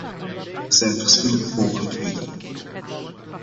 Er zijn verschillende mogelijkheden.